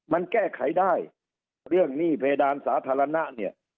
มันแก้ไขได้เรื่องหนี้เพดานสาธารณะเนี่ย